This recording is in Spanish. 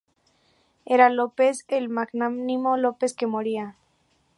Era López, el magnánimo López que moría.